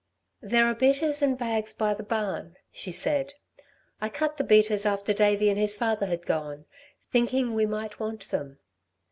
"There are beaters and bags by the barn," she said, "I cut the beaters after Davey and his father had gone, thinking we might want them."